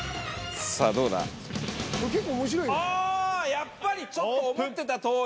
やっぱりちょっと思ってた通り。